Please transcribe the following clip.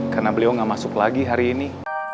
karena beliau gak masuk lagi hari ini